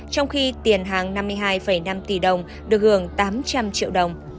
trong khi tiền hàng năm mươi hai năm tỷ đồng được hưởng tám trăm linh triệu đồng